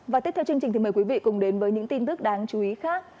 và tiếp theo chương trình thì mời quý vị cùng đến với những tin tức đáng chú ý khác